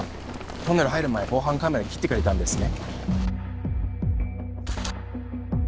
トンネル入る前防犯カメラ切ってくれたんですね